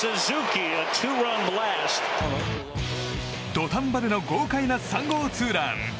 土壇場での豪快な３号ツーラン。